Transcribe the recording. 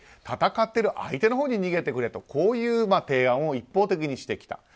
戦ってる相手のほうに逃げてくれという提案を一方的にしてきた。